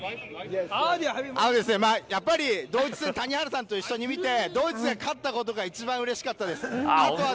やっぱりドイツ戦を谷原さんと一緒に見てドイツに勝ったことが一番うれしかったです。